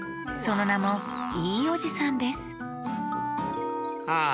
そのなも「いいおじさん」ですあ